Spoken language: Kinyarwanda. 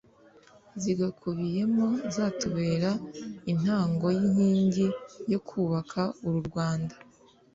zigakubiyemo zatubera intango n'inkingi yo kubaka uru rwanda